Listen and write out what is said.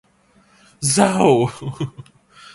เศร้า.